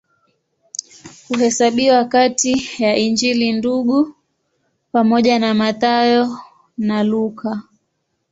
Huhesabiwa kati ya Injili Ndugu pamoja na Mathayo na Luka.